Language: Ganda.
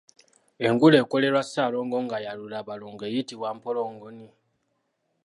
Engule ekolerwa Ssaalongo nga ayalula abalongo eyitibwa mpongoloni.